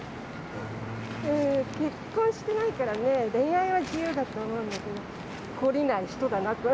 結婚してないからね、恋愛は自由だと思うので、懲りない人だなと。